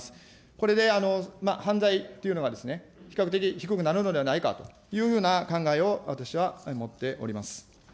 これで犯罪というのがですね、比較的低くなるのではないかというふうな考えを私は持っております。